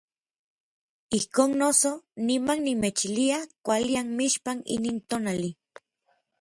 Ijkon noso, niman nimechilia kuali anmixpan inin tonali.